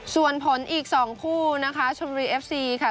ส่วนผลอีก๒คู่นะคะชนบุรีเอฟซีค่ะ